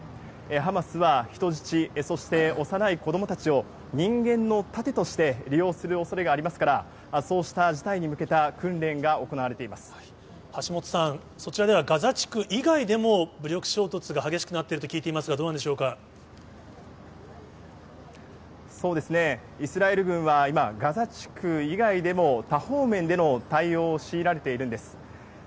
ハマスは人質、そして幼い子どもたちを、人間の盾として利用するおそれがありますから、そうした事態に向橋本さん、そちらではガザ地区以外でも、武力衝突が激しくなっていると聞いていますが、どうなんでしょうそうですね、イスラエル軍は今、ガザ地区以外でも、多方面での対応を強いられているんです。